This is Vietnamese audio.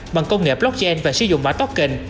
bằng công nghệ blockchain và sử dụng mã token